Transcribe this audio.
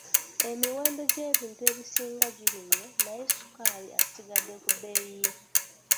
Emiwendo gy'ebintu ebisinga girinnye naye ssukaali asigadde ku bbeeyi ye.